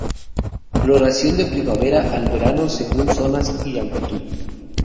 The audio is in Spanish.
Floración de primavera al verano según zonas y altitud.